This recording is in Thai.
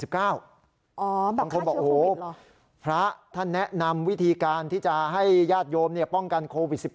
บางคนบอกโอ้โหพระท่านแนะนำวิธีการที่จะให้ญาติโยมป้องกันโควิด๑๙